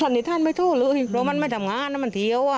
ตอนนี้ท่านไม่สู้เลยเพราะมันไม่ทำงานมันเทียว